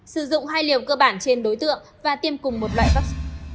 sử dụng hai liều cơ bản trên đối tượng và tiêm cùng một loại vaccine